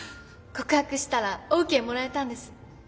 告白したらオーケーもらえたんです。